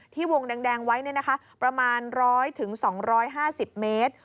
ที่วงแดงแดงไว้เนี่ยนะคะประมาณร้อยถึงสองร้อยห้าสิบเมตร